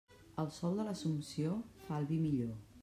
El sol de l'Assumpció fa el vi millor.